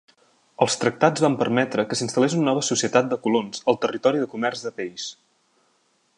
Els tractats van permetre que s'instal·lés una nova societat de colons al territori de comerç de pells.